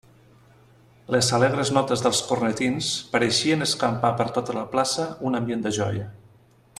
Les alegres notes dels cornetins pareixien escampar per tota la plaça un ambient de joia.